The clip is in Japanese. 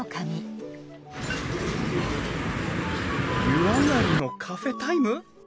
湯上がりのカフェタイム？